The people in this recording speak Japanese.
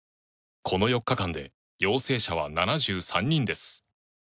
この４日間で陽性者は７３人です。